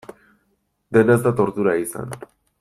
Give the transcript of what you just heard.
Dena ez da tortura izan.